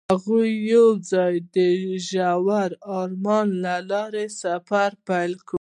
هغوی یوځای د ژور آرمان له لارې سفر پیل کړ.